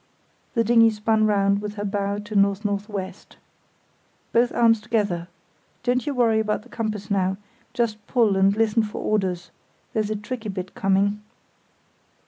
The dinghy spun round with her bow to N.N.W. "Both arms together! Don't you worry about the compass now; just pull, and listen for orders. There's a tricky bit coming."